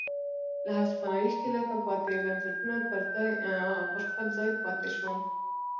له هسپانوي ښکېلاکه پاتې بنسټونه پر خپل ځای پاتې شول.